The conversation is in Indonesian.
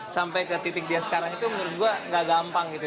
sampai ke titik dia sekarang itu menurut gue gak gampang gitu